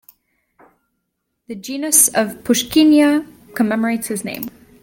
The genus of Puschkinia commemorates his name.